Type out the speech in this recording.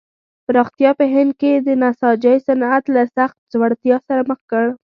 پراختیا په هند کې د نساجۍ صنعت له سخت ځوړتیا سره مخ کړ.